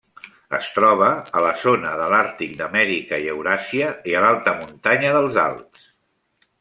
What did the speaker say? Es troba a la zona de l'àrtic, d'Amèrica i Euràsia, i l'alta muntanya dels Alps.